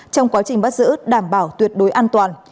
trong quá trình bắt giữ đảm bảo tuyệt đối an toàn